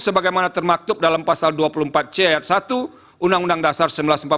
sebagaimana termaktub dalam pasal dua puluh empat c ayat satu undang undang dasar seribu sembilan ratus empat puluh lima